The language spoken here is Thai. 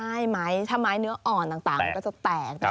ใช่ถ้าไม้เนื้ออ่อนต่างก็จะแตงนะครับ